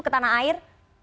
ke tanah air